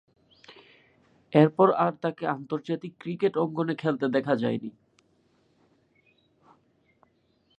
এরপর আর তাকে আন্তর্জাতিক ক্রিকেট অঙ্গনে খেলতে দেখা যায়নি।